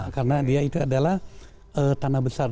karena dia itu adalah tanah besar